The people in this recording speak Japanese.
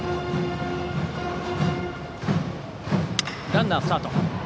ランナー、スタート。